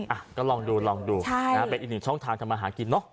อ่ะก็ลองดูลองดูเป็นอีกหนึ่งช่องทางทำมาหากินเนอะ